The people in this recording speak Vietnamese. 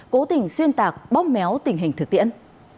cố tình xuyên tạc bóp méo tình hình thực tiễn